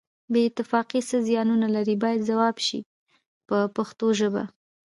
بې اتفاقي څه زیانونه لري باید ځواب شي په پښتو ژبه.